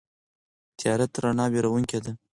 تیاره تر رڼا وېروونکې ده.